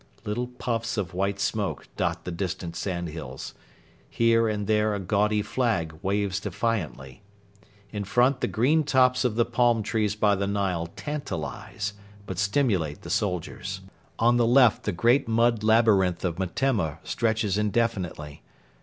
Little puffs of white smoke dot the distant sandhills. Here and there a gaudy flag waves defiantly. In front the green tops of the palm trees by the Nile tantalise but stimulate the soldiers. On the left the great mud labyrinth of Metemma stretches indefinitely.